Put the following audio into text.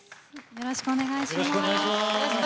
よろしくお願いします。